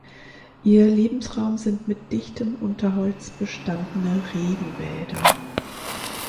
Ihr Lebensraum sind mit dichtem Unterholz bestandene Regenwälder.